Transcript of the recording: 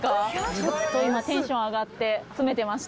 ちょっと今テンション上がって詰めてました。